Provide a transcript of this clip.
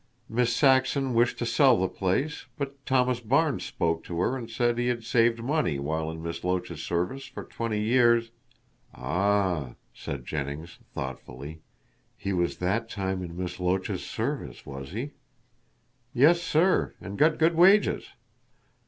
Miss Saxon wished to sell the place, but Thomas Barnes spoke to her and said he had saved money while in Miss Loach's service for twenty years " "Ah," said Jennings thoughtfully, "he was that time in Miss Loach's service, was he?" "Yes, sir. And got good wages.